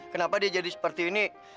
kenapa dia jadi seperti ini